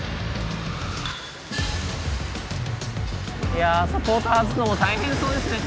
いやあサポート外すのも大変そうですね